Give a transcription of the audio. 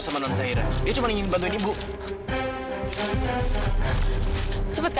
sampai jumpa di video selanjutnya